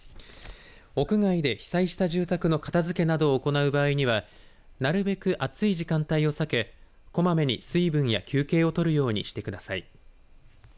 屋外で被災した住宅の片づけなどを行う場合にはなるべく暑い時間帯を避けこまめに水分や休憩を取るようにしてください。